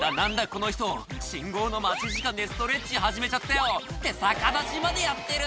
この人信号の待ち時間でストレッチ始めちゃったよって逆立ちまでやってる⁉